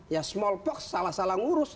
ya smallpox salah salah mengurus